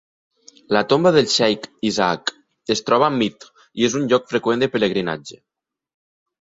La tomba del Sheikh Isaaq es troba a Mydh i és un lloc freqüent de pelegrinatge.